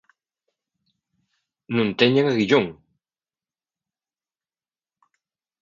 Non teñen aguillón.